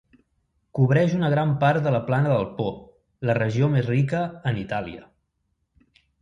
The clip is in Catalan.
Cobreix una gran part de la plana del Po, la regió més rica en Itàlia.